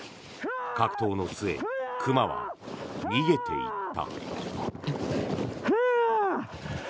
格闘の末、熊は逃げていった。